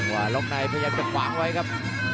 ว่าล็อกในพยายามจะขวางไว้ครับ